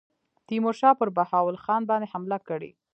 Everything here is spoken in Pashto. تیمورشاه پر بهاول خان باندي حمله کړې.